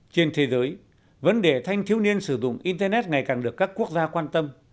trên thế giới vấn đề thanh thiếu niên sử dụng internet ngày càng được các quốc gia quan tâm